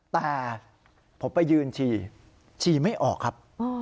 แต่ผมไปยืนฉี่ฉี่ไม่ออกครับ